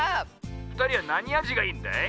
ふたりはなにあじがいいんだい？